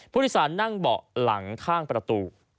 พุทธศาลนั่งเบาะหลังข้างประตู